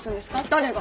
誰が？